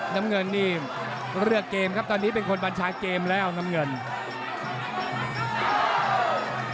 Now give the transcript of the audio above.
น้ำเงินนี่เลือกเกมครับตอนนี้เป็นคนบัญชาเกมแล้วน้ำเงิน